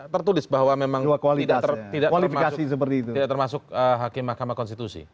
tertulis bahwa memang tidak termasuk hakim mahkamah konstitusi